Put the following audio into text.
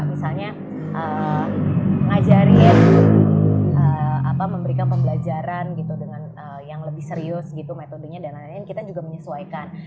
misalnya ngajarin memberikan pembelajaran gitu dengan yang lebih serius gitu metodenya dan lain lain kita juga menyesuaikan